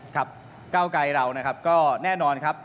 ก้าวไกรเรานะครับก็แน่นอนครับ